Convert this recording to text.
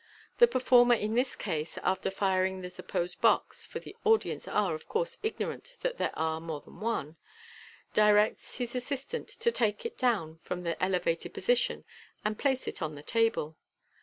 The performer in this case, after firing at the supposed box (for the audience are, of course, ignorant that there are more than one), directs his assistant to take it down from its elevated position, and to place it on the table.